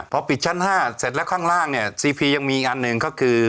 พอปิดชั้น๕เสร็จแล้วข้างล่างเนี่ยซีพียังมีอีกอันหนึ่งก็คือ